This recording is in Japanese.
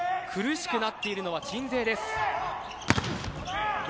苦しくなっているのは鎮西です。